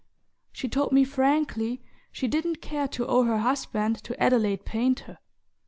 She told me frankly she didn't care to owe her husband to Adelaide Painter...